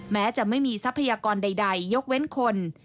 แม้จะไม่มีทรัพยากรใดยกเว้นคน